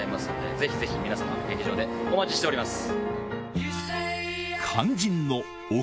ぜひぜひ皆さま劇場でお待ちしております。